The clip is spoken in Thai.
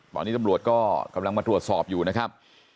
ตอนนี้ตำรวจก็กำลังมาตรวจสอบอยู่นะครับ